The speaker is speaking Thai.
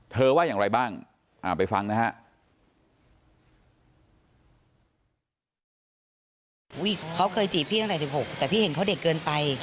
ว่าอย่างไรบ้างไปฟังนะฮะ